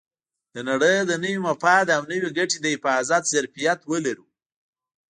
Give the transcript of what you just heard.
د نړۍ د نوي مفاد او نوې ګټې د حفاظت ظرفیت ولرو.